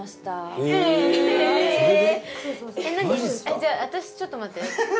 じゃあ私ちょっと待って。